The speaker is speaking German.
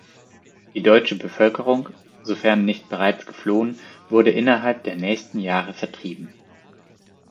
Die deutsche Bevölkerung, sofern nicht bereits geflohen, wurde innerhalb der nächsten Jahre vertrieben.